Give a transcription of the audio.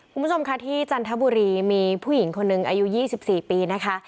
คุณผู้ชมค่ะที่จันทบุรีมีผู้หญิงคนหนึ่งอายุ๒๔ปีนะคะ